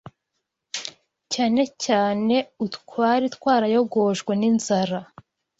cyane cyane utwari twarayogojwe n’inzara